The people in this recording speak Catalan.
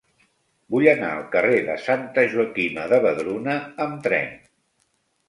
Vull anar al carrer de Santa Joaquima de Vedruna amb tren.